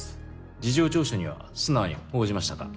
事情聴取には素直に応じましたか？